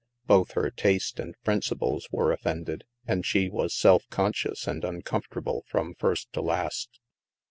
Both her taste and principles were offended, and she was self con scious and uncomfortable from first to last.